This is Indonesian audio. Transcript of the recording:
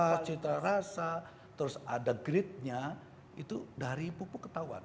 ada cita rasa terus ada gridnya itu dari pupuk ketahuan